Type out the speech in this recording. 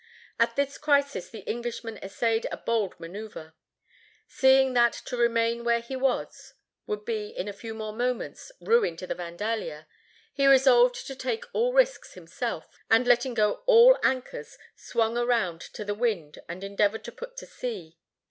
At this crisis the Englishman essayed a bold manœuvre. Seeing that to remain where he was would be, in a few more moments, ruin to the Vandalia, he resolved to take all risks himself, and letting go all anchors, swung around to the wind and endeavored to put to sea.